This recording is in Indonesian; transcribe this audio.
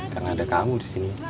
karena ada kamu di sini